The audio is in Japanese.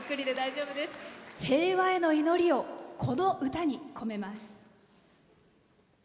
平和への祈りをこの歌に込めます。